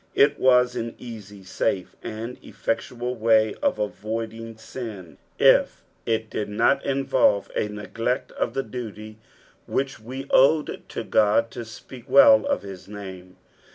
It was an easy, safe, and cfiectual way of avoid ing sio, if it did not involve a neglect of the duty which he owed to God to speak well of his name.